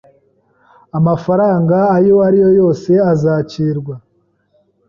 Amafaranga ayo ari yo yose azakirwa.